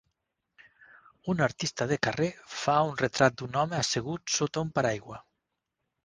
Un artista de carrer fa un retrat d'un home assegut sota un paraigua.